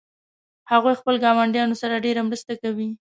هغوی خپل ګاونډیانو سره ډیره مرسته کوي